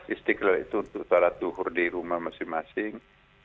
istiqlal itu untuk salat duhur di rumah masing masing